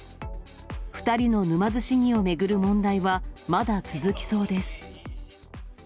２人の沼津市議を巡る問題は、まだ続きそうです。